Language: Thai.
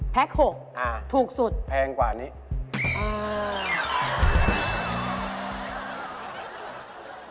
แพ็ค๖ถูกสุดอ่าแพงกว่านี้อ่า